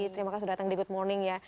terima kasih sudah datang di good morning ya